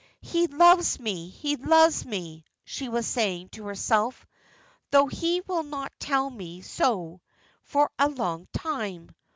"He loves me, he loves me," she was saying to herself, "though he will not tell me so for a long time.